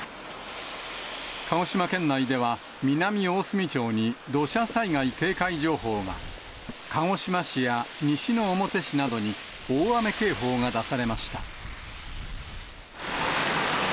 鹿児島県内では、南大隅町に土砂災害警戒情報が、鹿児島市や西之表市などに大雨警報が出されました。